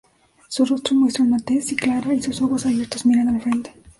Su rostro muestra una tez clara y sus ojos abiertos miran al frente.